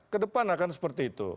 kedepan akan seperti itu